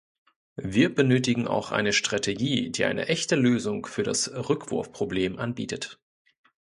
Wir benötigen auch eine Strategie, die eine echte Lösung für das Rückwurfproblem anbietet.